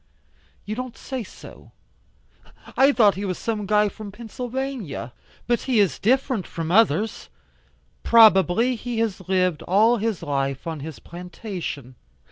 "You don't say so? I thought he was some guy from Pennsylvania. But he is different from others. Probably he has lived all his life on his plantation."